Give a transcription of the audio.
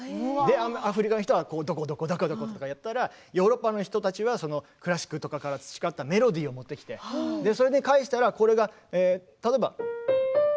アフリカの人はどこどこどこどこやったらヨーロッパの人たちはクラシックとかから培ったメロディーを持ってきてそれに返したらこれが例えば。